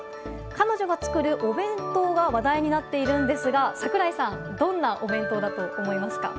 彼女が作るお弁当が話題になっているんですが櫻井さんどんなお弁当だと思いますか？